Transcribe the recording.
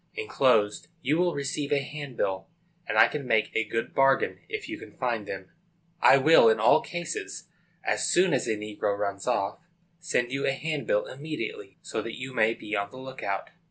Enclosed you will receive a handbill, and I can make a good bargain, if you can find them. I will in all cases, as soon as a negro runs off, send you a handbill immediately, so that you may be on the look out.